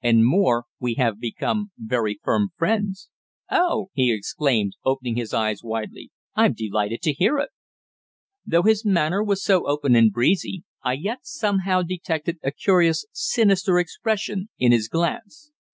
"And more, we have become very firm friends." "Oh!" he exclaimed, opening his eyes widely. "I'm delighted to hear it." Though his manner was so open and breezy, I yet somehow detected a curious sinister expression in his glance.